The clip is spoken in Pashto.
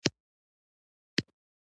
متقابل احترام اړیکې پیاوړې کوي.